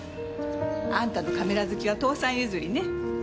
あんたのカメラ好きは父さん譲りね。